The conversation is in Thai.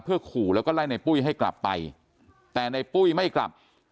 ขู่แล้วก็ไล่ในปุ้ยให้กลับไปแต่ในปุ้ยไม่กลับ